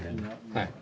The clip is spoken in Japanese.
はい。